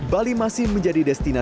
bali masih menjadi destinasi